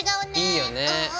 いいよね。